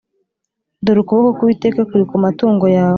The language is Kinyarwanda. dore ukuboko kuwiteka kuri ku matungo yawe